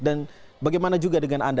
bagaimana juga dengan anda